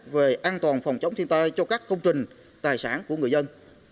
về an toàn phòng chống thiên tai cho các công trình tài sản của người dân